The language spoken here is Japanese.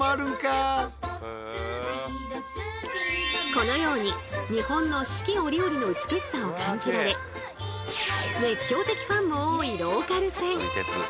このように日本の四季折々の美しさを感じられ熱狂的ファンも多いローカル線。